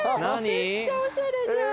めっちゃおしゃれじゃん。